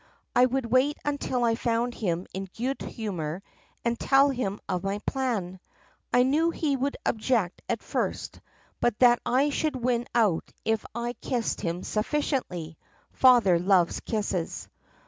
I would wait until I found him in good humor and tell him of my plan. I knew he would object at first but that I should win out if I kissed him sufficiently. Father loves kisses.